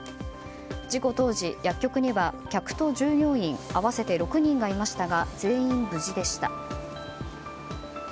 事故当時、薬局には客と従業員合わせて６人がいましたが全員無事でした。